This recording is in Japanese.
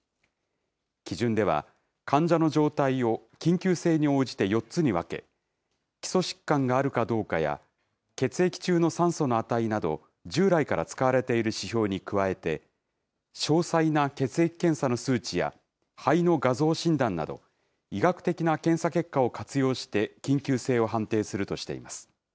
基準では、患者の状態を緊急性に応じて４つに分け、基礎疾患があるかどうかや血液中の酸素の値など、従来から使われている指標に加えて、詳細な血液検査の数値や、肺の画像診断など、医学的な検査結果を活用して緊急性を判定するとしています。